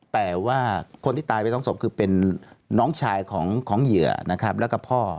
แต่ว่าคนที่ตายไปสองศพคือเป็นน้องชายของเหยื่อนะครับแล้วก็พ่อ